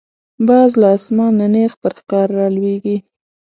باز له آسمانه نیغ پر ښکار را لویږي